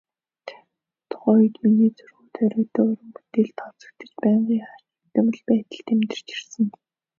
Тухайн үед миний зургууд хориотой уран бүтээлд тооцогдож, байнгын хавчигдмал байдалд амьдарч ирсэн.